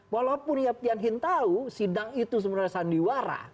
walaupun yap tian hin tahu sidang itu sebenarnya sandiwara